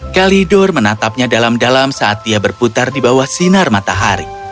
kalidor menatapnya dalam dalam saat dia berputar di bawah sinar matahari